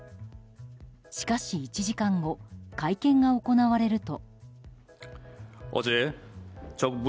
しかし、１時間後会見が行われると。